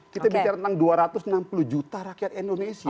kita bicara tentang dua ratus enam puluh juta rakyat indonesia